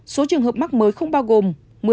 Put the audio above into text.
số trường hợp mắc mới không bao gồm